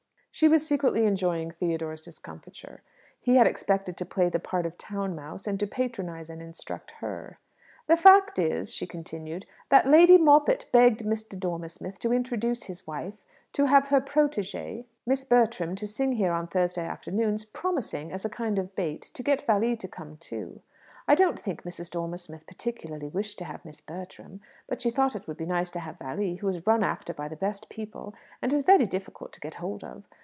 She was secretly enjoying Theodore's discomfiture. He had expected to play the part of town mouse, and to patronize and instruct her. "The fact is," she continued, "that Lady Moppett begged Mr. Dormer Smith to induce his wife to have her protégée, Miss Bertram, to sing here on Thursday afternoons, promising, as a kind of bait, to get Valli to come too. I don't think Mrs. Dormer Smith particularly wished to have Miss Bertram; but she thought it would be nice to have Valli, who is run after by the best people, and is very difficult to get hold of.